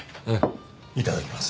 いただきます。